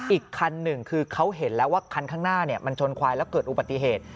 อีกคันหนึ่งคือเขาเห็นแล้วว่าคันข้างหน้ามันชนควายแล้วเกิดอุบัติเหตุ